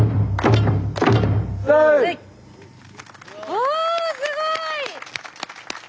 おすごい！